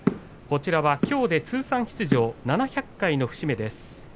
こちらはきょうで通算出場７００回の節目です。